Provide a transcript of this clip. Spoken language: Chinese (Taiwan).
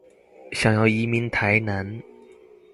想要移居台南